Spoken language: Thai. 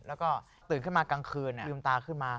แล้วก็ตื่นขึ้นมากลางคืนลืมตาขึ้นมา